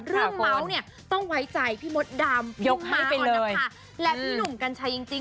เรื่องเมาส์เนี่ยต้องไว้ใจพี่มดดำพี่ม้าออนนักภาพและพี่หนุ่มกัญชัยจริง